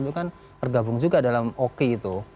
itu kan tergabung juga dalam oki itu